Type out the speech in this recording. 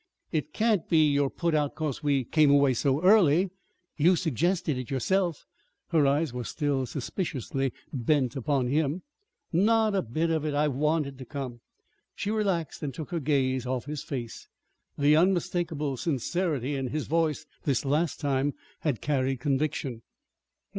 "It can't be you're put out 'cause we came away so early! You suggested it yourself." Her eyes were still suspiciously bent upon him. "Not a bit of it! I wanted to come." She relaxed and took her gaze off his face. The unmistakable sincerity in his voice this last time had carried conviction.